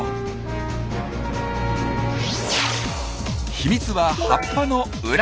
秘密は葉っぱの裏。